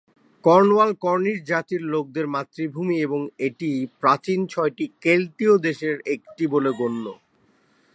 Cornwall Cornish জাতির লোকদের মাতৃভূমি এবং এটি প্রাচীন ছয়টি কেল্টীয় দেশের একটি বলে গণ্য।